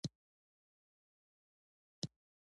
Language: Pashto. بزګان د افغانانو پر ژوند ډېر اغېزمن کوي.